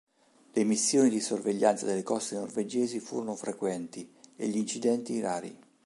Le missioni di sorveglianza delle coste norvegesi furono frequenti e gli incidenti rari.